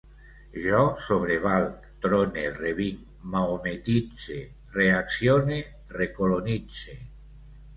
Jo sobrevalc, trone, revinc, mahometitze, reaccione, recolonitze